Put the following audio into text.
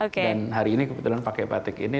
dan hari ini kebetulan pakai batik ini